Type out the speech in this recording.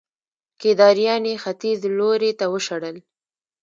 کيداريان يې ختيځ لوري ته وشړل